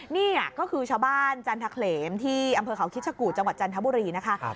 นี่ก็คือชาวบ้านจันทะเขลมที่อำเภอเขาคิชกุจังหวัดจันทบุรีนะคะ